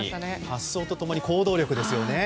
発想と共に行動力ですよね。